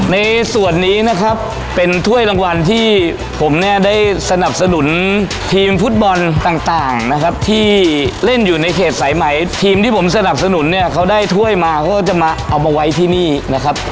ในส่วนนี้นะครับเป็นถ้วยรางวัลที่ผมเนี่ยได้สนับสนุนทีมฟุตบอลต่างนะครับที่เล่นอยู่ในเขตสายไหมทีมที่ผมสนับสนุนเนี่ยเขาได้ถ้วยมาเขาก็จะมาเอามาไว้ที่นี่นะครับ